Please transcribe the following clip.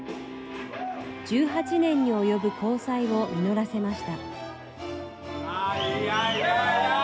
１８年に及ぶ交際を実らせました。